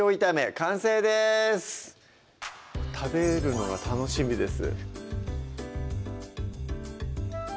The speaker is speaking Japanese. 完成です食べるのが楽しみです